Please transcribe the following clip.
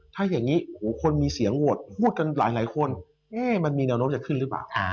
ถ้าอย่างนี้คนมีเสียงโหวตพูดกันหลายคนมันมีแนวโน้มจะขึ้นหรือเปล่า